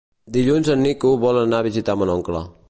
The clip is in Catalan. Dilluns en Nico vol anar a visitar mon oncle.